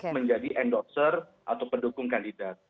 menjadi endorser atau pendukung kandidat